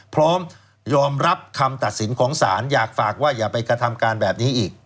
พร้อมยอมรับคำตัดสินของศาลอยากฝากว่าอย่าไปกระทำการแบบนี้อีก